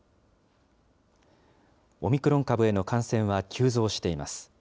オミクロン株への感染は急増しています。